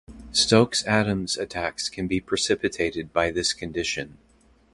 Stokes-Adams attacks can be precipitated by this condition.